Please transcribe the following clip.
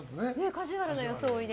カジュアルな装いで。